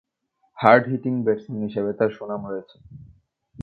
Hard-hitting batsman হিসেবে তার সুনাম রয়েছে।